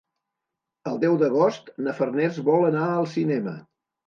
El deu d'agost na Farners vol anar al cinema.